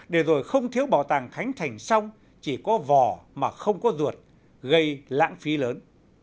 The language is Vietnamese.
để rồi không thiếu bảo tàng khánh thành xong chỉ có vỏ mà không có ruột gây lãng phí lớn